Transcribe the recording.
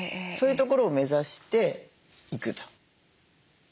そういうところを目指していくと。